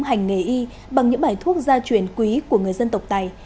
hành nghề y bằng những bài thuốc gia truyền quý của người dân tộc tài